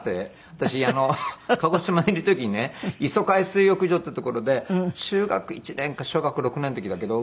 私鹿児島にいる時にね磯海水浴場っていう所で中学１年か小学校６年の時だけど。